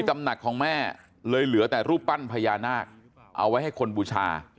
มันหนักรึเปล่าคะ